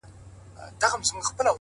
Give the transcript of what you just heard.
ته كه له ښاره ځې پرېږدې خپــل كــــــور!